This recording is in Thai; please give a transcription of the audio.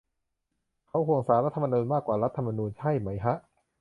เขาห่วงศาลรัฐธรรมนูญมากกว่ารัฐธรรมนูญใช่ไหมฮะ ?